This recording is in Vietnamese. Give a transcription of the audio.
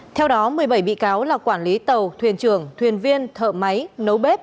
theo đó một mươi bảy bị cáo là quản lý tàu thuyền trưởng thuyền viên thợ máy nấu bếp